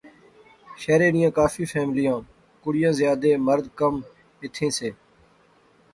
شہرے نیاں کافی فیملیاں، کڑیاں زیادے مرد کم ایتھیں سے